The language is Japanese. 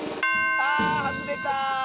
あはずれた！